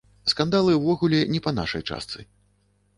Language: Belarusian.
Скандалы ўвогуле не па нашай частцы.